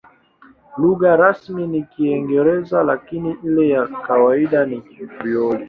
Lugha rasmi ni Kiingereza, lakini ile ya kawaida ni Krioli.